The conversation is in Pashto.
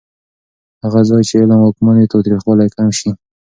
هغه ځای چې علم واکمن وي، تاوتریخوالی کم شي.